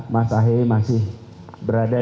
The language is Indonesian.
mas ahie masih berada